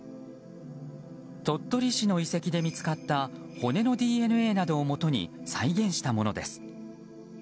鳥取市の遺跡で見つかった骨のＤＮＡなどをもとに再現したものです。